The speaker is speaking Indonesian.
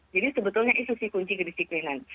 jadi sebetulnya itu sih kunci kedisiplinan